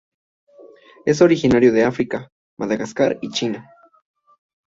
Es originario de África, Madagascar y China.